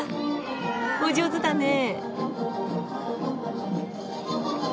お上手だねえ！